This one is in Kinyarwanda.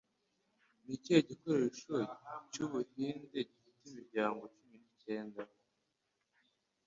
Ni ikihe gikoresho cy'Ubuhinde gifite imiryango cumi n'icyenda?